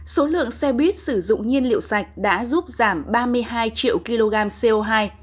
số lượng xe buýt sử dụng nhiên liệu sạch đã giúp giảm ba mươi hai triệu kg co hai